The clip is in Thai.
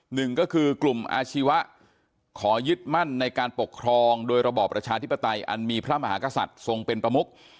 หนึ่งก็คือกลุ่มอาชีวะขอยึดมั่นในการปกครองโดยระบอบประชาธิปไตยอันมีพระมหากษัตริย์ทรงเป็นประมุก